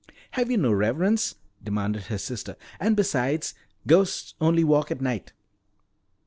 "Have you no reverence?" demanded his sister. "And besides, ghosts only walk at night."